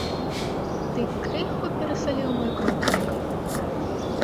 Ты крыху перасаліў мой крупнік.